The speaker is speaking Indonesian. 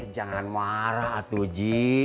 jangan marah atu ji